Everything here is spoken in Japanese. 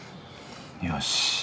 よし。